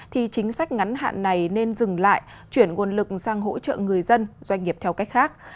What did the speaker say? thì chính sách ngắn hạn này nên dừng lại chuyển nguồn lực sang hỗ trợ người dân doanh nghiệp theo cách khác